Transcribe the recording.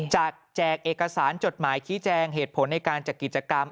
แจกเอกสารจดหมายชี้แจงเหตุผลในการจัดกิจกรรม